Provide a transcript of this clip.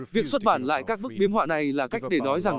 việc xuất bản lại các bức biếm họa này là cách để nói rằng